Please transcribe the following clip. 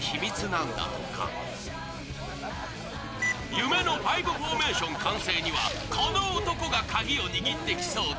夢の５フォーメーション完成にはこの男がカギを握ってきそうだ。